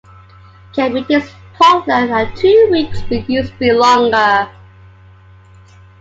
Camp meetings in Portland are two weeks, but used to be longer.